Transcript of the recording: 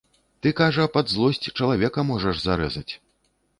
Ты, кажа, пад злосць чалавека можаш зарэзаць.